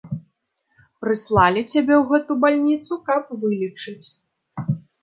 Прыслалі цябе ў гэту бальніцу, каб вылечыць.